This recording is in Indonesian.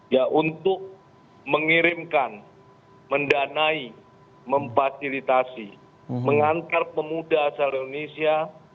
ya untuk mengirimkan mendanai memfasilitasi mengantar pemuda asal indonesia